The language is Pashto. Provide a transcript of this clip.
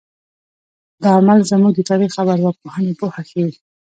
دا عمل زموږ د تاریخ او ارواپوهنې پوهه ښیي.